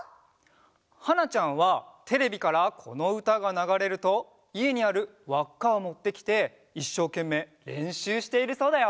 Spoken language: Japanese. はなちゃんはテレビからこのうたがながれるといえにあるわっかをもってきていっしょうけんめいれんしゅうしているそうだよ！